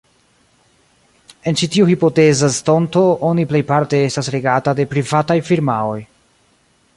En ĉi tiu hipoteza estonto oni plejparte estas regata de privataj firmaoj.